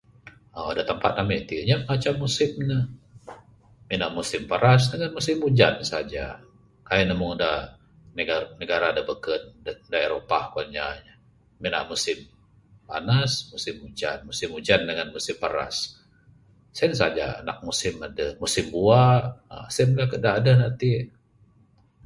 Da tempat ami ti anyap bancha musim ne...mina musim paras ngn musim ujan saja...kaii ne meng da negara negara da beken da eropah kuan inya...mina musim panas musim ujan...musim ujan dangan musim paras...sien saja nak musim adeh...musim buah uhh sien da adeh da ati.